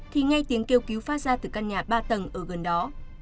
thì ngay tiếng kêu cứu phát ra từ căn nhà ba tầng ở gần đó